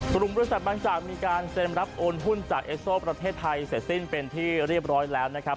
กลุ่มบริษัทบางจากมีการเซ็นรับโอนหุ้นจากเอสโซประเทศไทยเสร็จสิ้นเป็นที่เรียบร้อยแล้วนะครับ